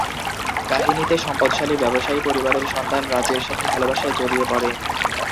কাহিনীতে সম্পদশালী ব্যবসায়ী পরিবারের সন্তান রাজের সাথে ভালোবাসায় জড়িয়ে পড়ে।